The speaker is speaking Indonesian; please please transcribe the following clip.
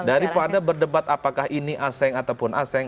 daripada berdebat apakah ini asing ataupun asing